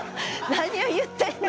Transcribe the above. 何を言ってんの！